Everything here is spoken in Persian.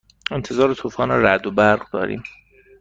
انتظار طوفان رعد و برق داریم.